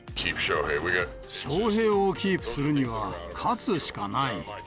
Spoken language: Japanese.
翔平をキープするには、勝つしかない。